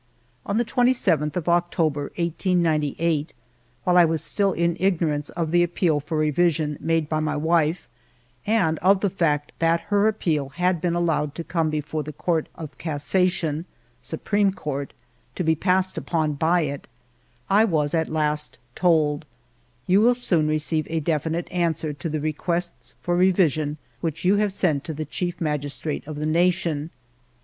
On the 27th of October, 1898, while I was still in ignorance of the appeal for revision made by my wife, and of the fact that her appeal had been allowed to come before the Court of Cassation (Supreme Court) to be passed upon by it, I was at last told :" You will soon receive a definite answer to the requests for revision which you have sent to the Chief Magistrate of the nation."